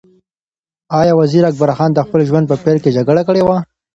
ایا وزیر اکبر خان د خپل ژوند په پیل کې جګړه کړې وه؟